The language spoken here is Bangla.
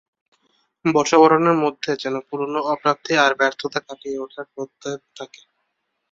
বর্ষবরণের মধ্যে যেন পুরোনো অপ্রাপ্তি এবং ব্যর্থতা কাটিয়ে ওঠার প্রত্যয় থাকে।